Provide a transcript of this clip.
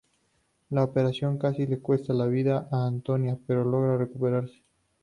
La operación casi le cuesta la vida a Antonia, pero logra recuperarse.